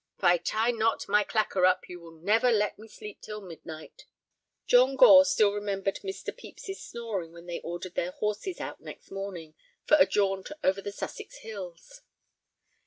Ah—ho!—if I tie not my clacker up, you will never let me sleep till midnight." John Gore still remembered Mr. Pepys's snoring when they ordered their horses out next morning for a jaunt over the Sussex hills.